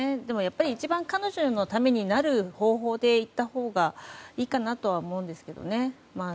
一番彼女のためになる方法でいったほうがいいかなとは思うんですけどね。